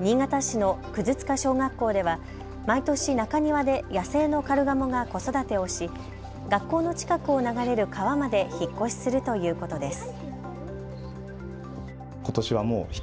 新潟市の葛塚小学校では毎年中庭で野生のカルガモが子育てをし学校の近くを流れる川まで引っ越しするということです。